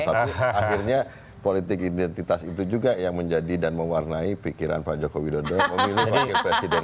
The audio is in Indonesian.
tapi akhirnya politik identitas itu juga yang menjadi dan mewarnai pikiran pak jokowi dodo memilih wakil presiden